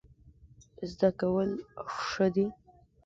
زده کول ښه دی.